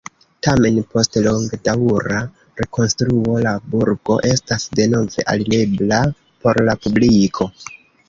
Tamen post longdaŭra rekonstruo la burgo estas denove alirebla por la publiko.